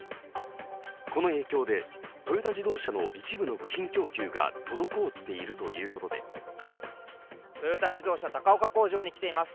この影響でトヨタ自動車の一部の部品供給が滞っているということでトヨタ自動車、高岡工場に来ています。